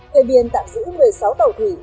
hệ biển tạm giữ một mươi sáu tàu thủy